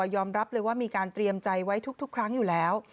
ยอมรับเลยว่ามีการเตรียมใจไว้ทุกครั้งอยู่แล้ว